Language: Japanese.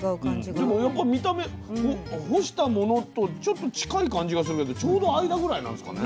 でもやっぱ見た目干したものとちょっと近い感じがするけどちょうど間ぐらいなんすかね。